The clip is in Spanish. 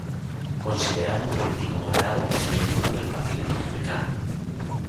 Considerado un político moderado, es miembro del Partido Republicano.